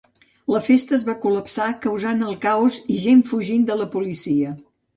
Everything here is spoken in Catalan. La festa es va col·lapsar, causant el caos i gent fugint de la policia.